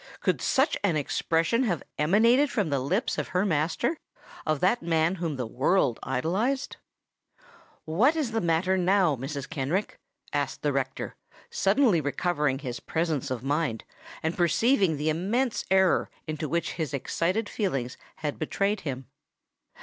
could such an expression have emanated from the lips of her master—of that man whom the world idolized? "What is the matter now, Mrs. Kenrick?" asked the rector, suddenly recovering his presence of mind, and perceiving the immense error into which his excited feelings had betrayed him.